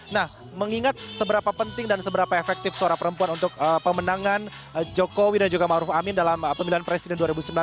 nah mengingat seberapa penting dan seberapa efektif suara perempuan untuk pemenangan jokowi dan juga ⁇ maruf ⁇ amin dalam pemilihan presiden dua ribu sembilan belas